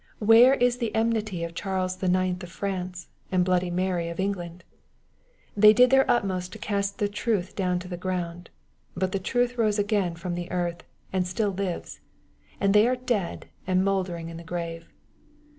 Where is the enmity of Charles the Ninth of France, and Bloody Mary of England ? They did their utmost to cast the truth down to the ground. But the truth rose again from the earth, and still lives ; and they are dead, and mouldering in the grave.